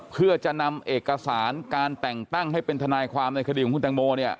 เพื่อจะนำเอกสารการแต่งตั้งให้เป็นทนายความในคดีของคุณแตงโมเนี่ย